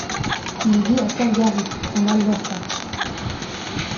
Il vit à Calgary, en Alberta.